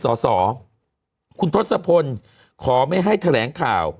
มันติดคุกออกไปออกมาได้สองเดือน